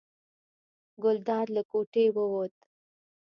ګلداد له کوټې ووت.